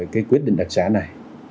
cái quyết định đặc sá này